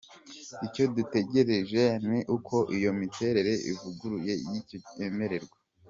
Icyo dutegereje ni uko iyo miterere ivuguruye y’ikigo yemerwa.